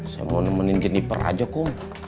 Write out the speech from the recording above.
saya mau nemenin jeniper aja kum